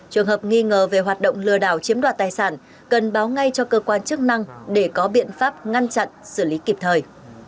trường hợp nghi ngờ về hoạt động lừa đảo chiếm đoạt tài sản cần báo ngay cho cơ quan chức năng để có biện pháp ngăn chặn xử lý kịp thời